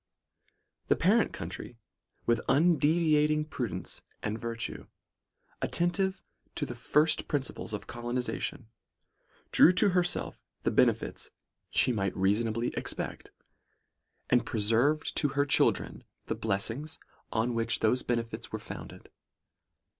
' The parent country, with undeviating prudence and virtue, attentive to the first principles of colo nization, drew to herself the benefits she might reasonably expect, and preserved to her children the blessings, upon which those benefits were founded.